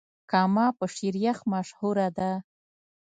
کامه په شيريخ مشهوره ده.